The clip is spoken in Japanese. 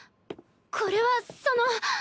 これはその。